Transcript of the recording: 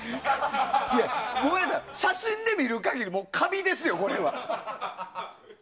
いや、ごめんなさい写真で見る限りカビですよ、これは。